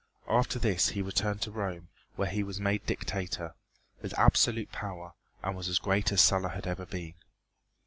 After this he returned to Rome, where he was made dictator, with absolute power, and was as great as Sulla had ever been.